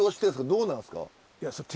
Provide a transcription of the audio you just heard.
どうなんすか？